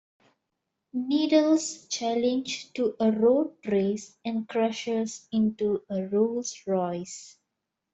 Needles' challenge to a road race and crashes into a Rolls-Royce.